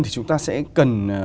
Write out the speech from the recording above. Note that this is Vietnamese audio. thì chúng ta sẽ cần